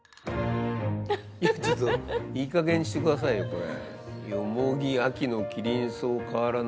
いやちょっといいかげんにしてくださいよこれ。